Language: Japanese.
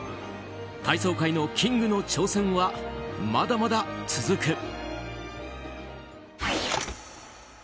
体操界のキングの挑戦はまだまだ続く。